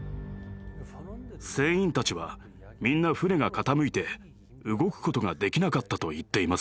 船員たちはみんな船が傾いて動くことができなかったと言っています。